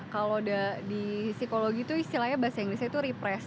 kalau di psikologi itu istilahnya bahasa inggrisnya itu repres